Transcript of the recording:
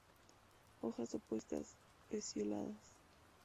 Hojas opuestas; pecioladas.